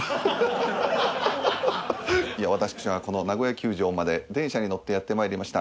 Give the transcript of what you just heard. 私はこの名古屋球場まで電車に乗ってやってまいりました。